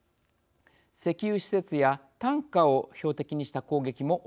石油施設やタンカーを標的にした攻撃も起きています。